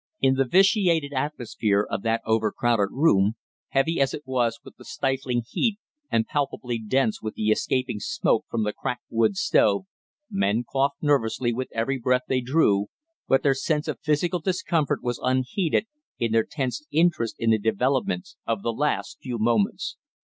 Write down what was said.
In the vitiated atmosphere of that overcrowded room, heavy as it was with the stifling heat and palpably dense with the escaping smoke from the cracked wood stove, men coughed nervously with every breath they drew, but their sense of physical discomfort was unheeded in their tense interest in the developments of the last few moments.